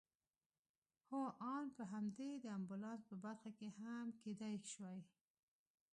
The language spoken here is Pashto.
هو آن په همدې د امبولانس په برخه کې هم کېدای شوای.